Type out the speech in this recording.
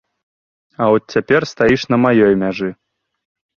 А от цяпер стаіш на маёй мяжы.